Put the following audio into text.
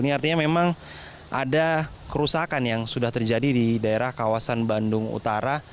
ini artinya memang ada kerusakan yang sudah terjadi di daerah kawasan bandung utara